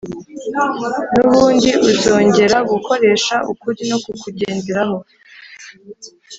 n’ubundi uzongera Gukoresha ukuri no kukugenderaho